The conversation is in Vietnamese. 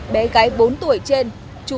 bé gái bốn tuổi trên chú